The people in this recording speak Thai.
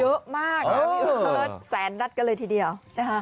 เยอะมากแสนนัดกันเลยทีเดียว